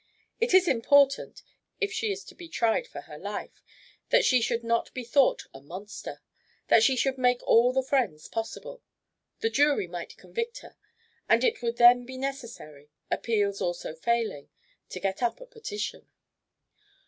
It is important, if she is to be tried for her life, that she should not be thought a monster, that she should make all the friends possible. The jury might convict her, and it would then be necessary, appeals also failing, to get up a petition."